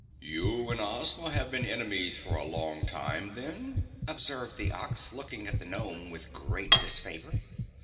"You and Ozma have been enemies for a long time, then?" observed the Ox, looking at the Gnome with great disfavor.